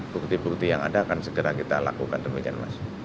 bukti bukti yang ada akan segera kita lakukan demikian mas